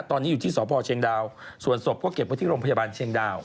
ตอนนี้อยู่ที่สพเชียงดาวส่วนศพก็เก็บไว้ที่โรงพยาบาลเชียงดาว